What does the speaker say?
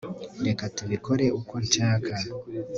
reka tubikore uko nshaka